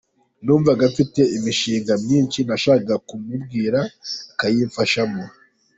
Numvaga mfite imishinga myinshi nashakaga kumubwira akayimfashamo.